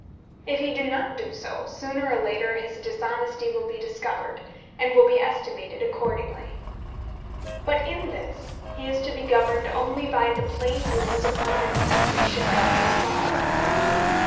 If he do not do so, sooner or later his dishonesty will be discovered, and will be estimated accordingly. But in this he is to be governed only by the plain rules of honesty which should govern us all.